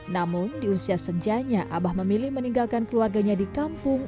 namun di usia senjanya abah memilih meninggalkan keluarganya di kampung